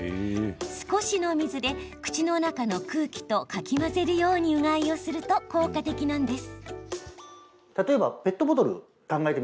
少しの水で、口の中の空気とかき混ぜるようにうがいをすると効果的なんです。